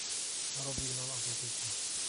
Narobił nam apetytu